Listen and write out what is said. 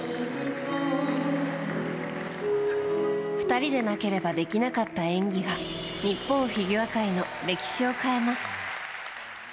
２人でなければできなかった演技が日本フィギュア界の歴史を変えます。